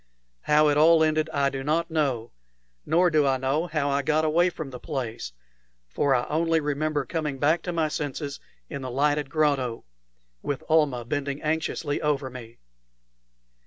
How it all ended I do not know, nor do I know how I got away from the place; for I only remember coming back to my senses in the lighted grotto, with Almah bending anxiously over me.